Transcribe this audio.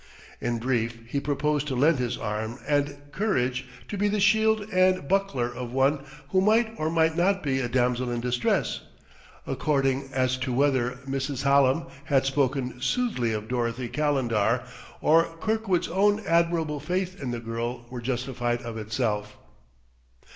In brief he proposed to lend his arm and courage to be the shield and buckler of one who might or might not be a damsel in distress; according as to whether Mrs. Hallam had spoken soothly of Dorothy Calendar, or Kirkwood's own admirable faith in the girl were justified of itself.